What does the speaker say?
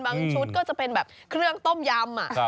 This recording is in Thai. ชุดก็จะเป็นแบบเครื่องต้มยำ